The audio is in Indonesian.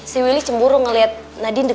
jadilah yang kerenin